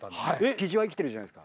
キジは生きてるじゃないですか。